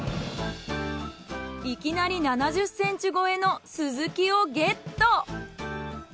いきなり７０センチ超えのスズキをゲット。